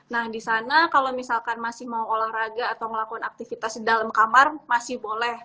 nah di sana kalau misalkan masih mau olahraga atau ngelakuin aktivitas di dalam kamar masih boleh